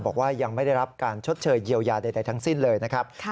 บอกว่ายังไม่ได้รับการชดเชยเยียวยาใดทั้งสิ้นเลยนะครับ